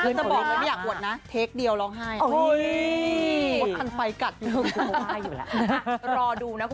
แค่ฉากแบบเฮฮานมีเซี่ยนบ๋อน้ำตาแตก